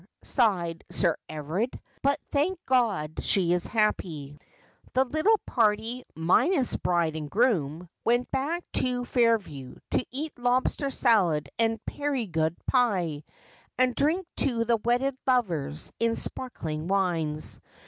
sighed Sir Everard. 'But thank God she is happy.' The little party, minus bride and bridegroom, went back to Fairview, to eat lobster salad and Perigord pie, and drink to the wedded lovers in sparkling wines.